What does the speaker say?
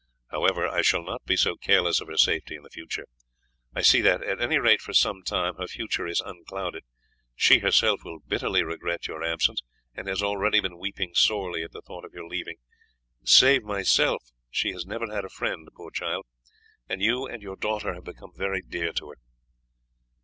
However, I shall not be so careless of her safety in future. I see that, at any rate for some time, her future is unclouded. She herself will bitterly regret your absence, and has already been weeping sorely at the thought of your leaving. Save myself she has never had a friend, poor child, and you and your daughter have become very dear to her."